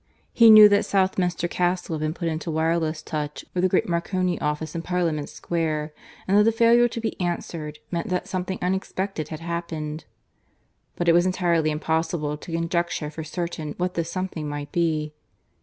He knew that Southminster Castle had been put into wireless touch with the great Marconi office in Parliament Square, and that a failure to be answered meant that something unexpected had happened. But it was entirely impossible to conjecture for certain what this something might be.